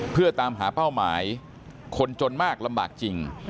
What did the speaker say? เพื่อตามหาเป้าหมายคนจนมากลำบากจริง